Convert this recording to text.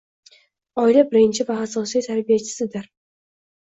Oila birinchi va asosiy tarbiyachisidir